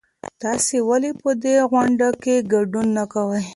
تاسې ولې په دې غونډه کې ګډون نه کوئ؟